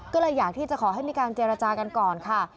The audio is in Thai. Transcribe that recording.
ก็เลยอยากที่จะขอให้มีการเจรจากันก่อนค่ะ